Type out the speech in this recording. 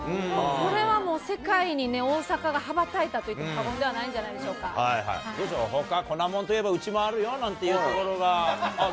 これはもう、世界に大阪が羽ばたいたといっても、過言じゃないんじゃないでしどうでしょう、ほか、粉もんといえばうちもあるよなんていう所は？